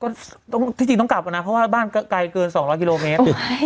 ก็ที่จริงต้องกลับก่อนนะเพราะว่าบ้านก็ไกลเกิน๒๐๐กิโลเมตร